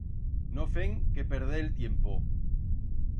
No fem que perder el tiempo.